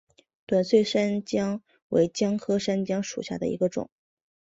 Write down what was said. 短穗山姜为姜科山姜属下的一个种。